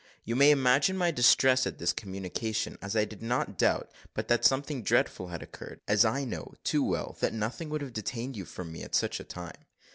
You may imagine my distress at this communication, as I did not doubt but that something dreadful had occurred, as I know, too well, that nothing would have detained you from me at such a time.